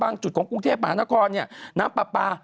กลัวจริงของกรุงเทพผลานะครเนี่ยน้ำป่า